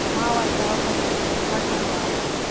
ما ورته کتل خو پټه وه.